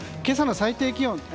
今朝の最低気温